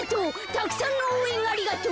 たくさんのおうえんありがとう。